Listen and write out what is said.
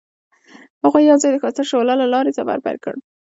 هغوی یوځای د ښایسته شعله له لارې سفر پیل کړ.